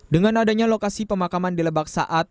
dengan adanya lokasi pemakaman di lebak saat